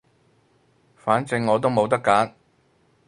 反正我都冇得揀